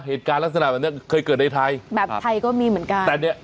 เหตุการณ์ลักษณะแบบเนี้ยเคยเกิดในไทยแบบไทยก็มีเหมือนกันแต่เนี้ย